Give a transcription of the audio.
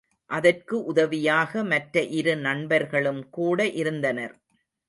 அதற்கு உதவியாக மற்ற இரு நண்பர்களும் கூட இருந்தனர்.